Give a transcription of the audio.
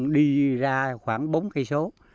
đi ra khoảng bốn km